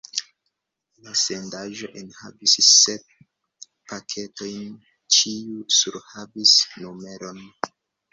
La sendaĵo enhavis sep paketojn, ĉiu surhavis numeron.